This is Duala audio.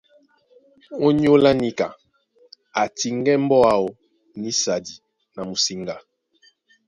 Ónyólá níka a tiŋgɛ́ mbɔ́ áō nísadi na musiŋga.